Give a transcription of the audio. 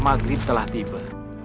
mas mageri telah tiba